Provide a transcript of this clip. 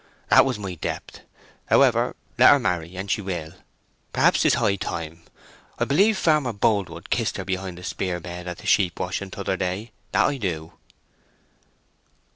That was my depth!... However, let her marry an she will. Perhaps 'tis high time. I believe Farmer Boldwood kissed her behind the spear bed at the sheep washing t'other day—that I do."